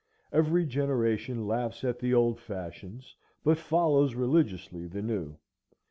Every generation laughs at the old fashions, but follows religiously the new.